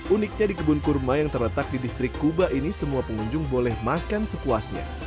uniknya di kebun kurma yang terletak di distrik kuba ini semua pengunjung boleh makan sepuasnya